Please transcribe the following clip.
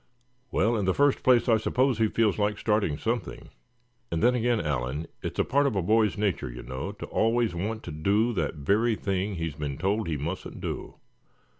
"Well, in the first place, I suppose he feels like starting something; and then again, Allan, it's a part of a boy's nature, you know, to always want to do that very thing he's been told he musn't do.